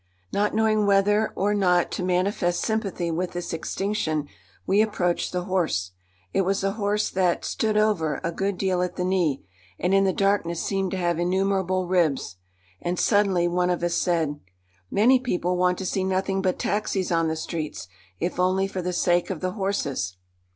Not knowing whether or no to manifest sympathy with this extinction, we approached the horse. It was a horse that "stood over" a good deal at the knee, and in the darkness seemed to have innumerable ribs. And suddenly one of us said: "Many people want to see nothing but taxis on the streets, if only for the sake of the horses."